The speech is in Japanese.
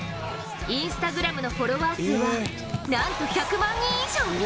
Ｉｎｓｔａｇｒａｍのフォロワー数はなんと１００万人以上。